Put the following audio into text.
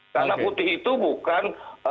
karena putih itu bukan